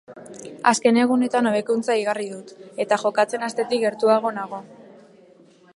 Azken egunetan hobekuntza igarri dut, eta jokatzen hastetik gertuago nago.